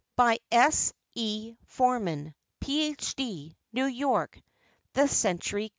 By S. E. Forman, Ph.D. New York. The Century Co.